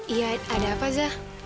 iya ada apa zah